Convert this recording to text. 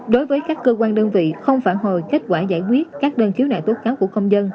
đối với các cơ quan đơn vị không phản hồi kết quả giải quyết các đơn khiếu nại tố cáo của công dân